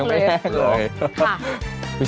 ไม่แห้งเลย